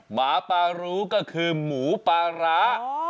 หมาปลารู้ก็คือหมูปลาร้า